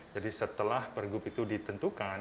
jadi setelah pergub itu ditentukan